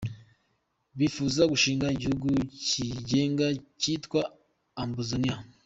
Bipfuza gushinga igihugu cigenga citwa Ambazonia.